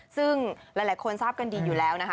ซึ่งหลายคนทราบกันดีอยู่แล้วนะคะ